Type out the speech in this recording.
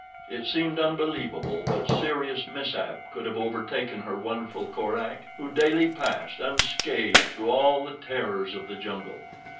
It seemed unbelievable that serious mishap could have overtaken her wonderful Korak who daily passed unscathed through all the terrors of the jungle.